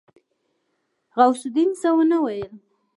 غوث الدين څه ونه ويل.